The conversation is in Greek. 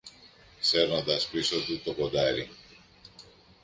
σέρνοντας πίσω του το κοντάρι.